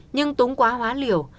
nhưng túng quá hóa liều